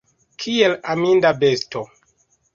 Kiel aminda besto!